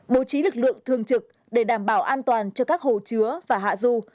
bố trí lực lượng thường trực để đảm bảo an toàn cho các hồ chứa và hạ du